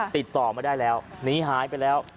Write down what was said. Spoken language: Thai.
ติดต่อไม่ได้แล้วหนีหายไปแล้ว